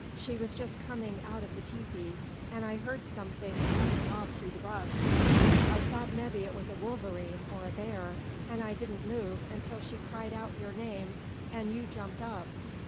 "She was just coming out of the tepee, an' I heard something running off through the brush. I thought mebby it was a wolverine, or a bear, an' I didn't move until she cried out your name an' you jumped up.